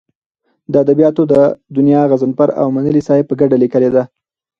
د ادبیاتو دونیا غضنفر اومنلی صاحب په کډه لیکلې ده.